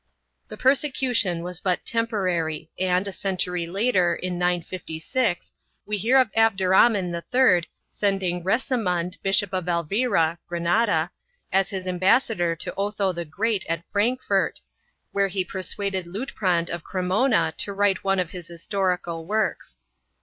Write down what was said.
1 The persecution was but temporary and, a century later, in 956, we hear of Abder rhaman III sending Recemund, Bishop of Elvira (Granada), as his ambassador to Otho the Great at Frankfort, where he per suaded Liutprand of Cremona to write one of his historical works.